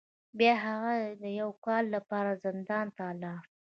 بیا هغه د یو کال لپاره زندان ته لاړ.